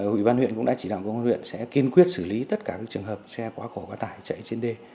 ủy ban huyện cũng đã chỉ đạo công an huyện sẽ kiên quyết xử lý tất cả các trường hợp xe quá khổ quá tải chạy trên đê